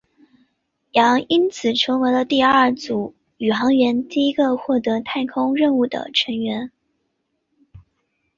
杨因此成为了第二组宇航员第一个获得太空任务的成员。